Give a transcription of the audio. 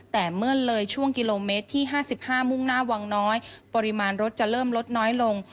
แต่เมื่อเลยช่วงกิโลเมตรที่๕๕มุ่งหน้าวังน้อยปริมาณรถจะเริ่มลดน้อยลง